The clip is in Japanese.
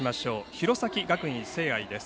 弘前学院聖愛です。